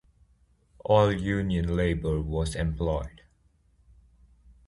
All union labor was employed.